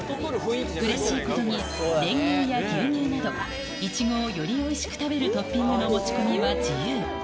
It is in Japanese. うれしいことに、練乳や牛乳など、イチゴをよりおいしく食べるトッピングの持ち込みは自由。